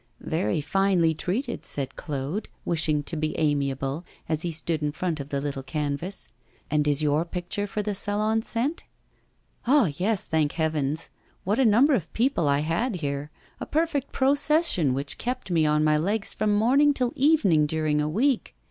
'Very finely treated,' said Claude, wishing to be amiable, as he stood in front of the little canvas. 'And is your picture for the Salon sent?' 'Ah! yes, thank heavens! What a number of people I had here! A perfect procession which kept me on my legs from morning till evening during a week.